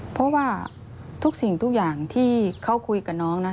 เพราะว่าทุกสิ่งทุกอย่างที่เขาคุยกับน้องนะ